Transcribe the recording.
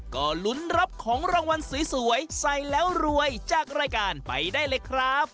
ก็ลุ้นรับของรางวัลสวยใส่แล้วรวยจากรายการไปได้เลยครับ